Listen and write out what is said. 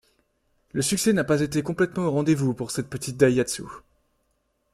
Le succès n'a pas été complètement au rendez-vous pour cette petite Daihatsu.